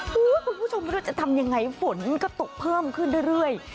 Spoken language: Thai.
คุณผู้ชมไม่รู้จะทำยังไงฝนก็ตกเพิ่มขึ้นเรื่อย